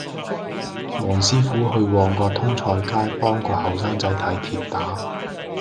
黃師傅去旺角通菜街幫個後生仔睇跌打